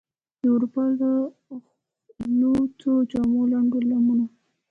د اروپا له لوڅو جامو، لنډو لمنو،